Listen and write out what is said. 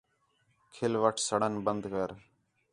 کھلوتے سڑݨ بند کر